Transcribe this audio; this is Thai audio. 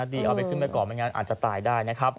เอาไปขึ้นไปก่อนไม่งั้นอาจจะตายได้นะครับ